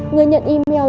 người nhận email